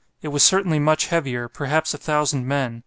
It was certainly much heavier, perhaps a thousand men.